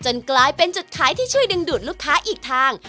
กลายเป็นจุดขายที่ช่วยดึงดูดลูกค้าอีกทาง